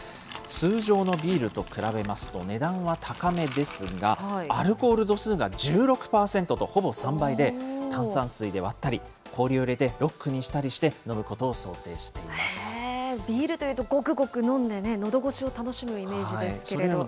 通常のビールと比べますと値段は高めですが、アルコール度数が１６％とほぼ３倍で、炭酸水で割ったり、氷を入れてロックにしたりして飲むことを想定ビールというと、ごくごく飲んでね、のどごしを楽しむイメージですけれども。